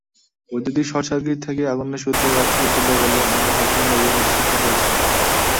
বৈদ্যুতিক শর্টসার্কিট থেকে আগুনের সূত্রপাত হয়েছিল বলে আমরা প্রাথমিকভাবে নিশ্চিত হয়েছি।